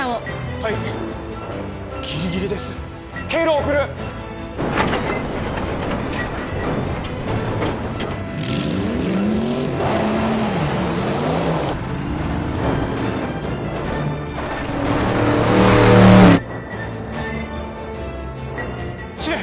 はいギリギリです経路を送る司令！